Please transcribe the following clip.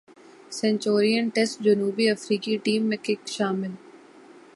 Centurion test جنوبی افریقی team میں کک شامل